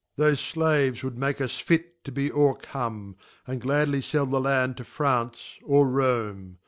Thofe Slaves would make us fit to be o recomej And gladly fell the Land to France, or Rome.